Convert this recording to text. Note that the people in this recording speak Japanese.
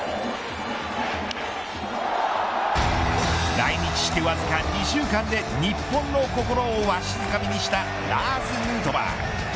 来日してわずか２週間で日本の心をわしづかみにしたラーズ・ヌートバー。